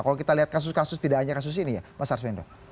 kalau kita lihat kasus kasus tidak hanya kasus ini ya mas arswendo